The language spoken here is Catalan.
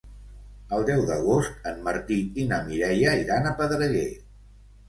El deu d'agost en Martí i na Mireia iran a Pedreguer.